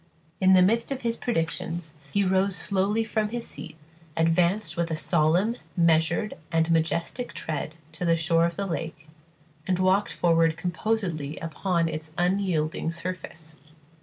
In the midst of his predictions he rose slowly from his seat, advanced with a solemn, measured, and majestic tread to the shore of the lake, and walked forward composedly upon its unyielding surface.